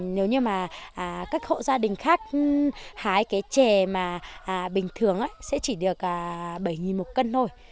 nếu như mà các hộ gia đình khác hái cái chè mà bình thường sẽ chỉ được bảy một cân thôi